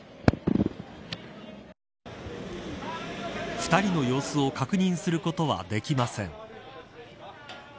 ２人の様子を確認することはできません。